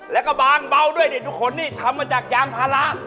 แล้วก็บางเบาด้วยทุกคนนี่ทำมาจากยางพาร้า